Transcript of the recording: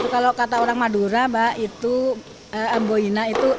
kalau kata orang madura mbak itu amboina itu